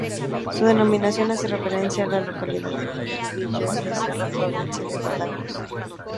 Su denominación hace referencia a la localidad de Burguillos del Cerro, provincia de Badajoz.